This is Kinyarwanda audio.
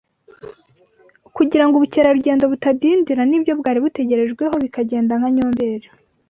kugira ngo ubukerarugendo butadindira n’ibyo bwari butegerejweho bikagenda nka Nyomberi